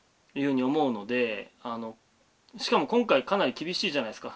しかも今回かなり厳しいじゃないですか。